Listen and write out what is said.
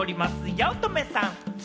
八乙女さん。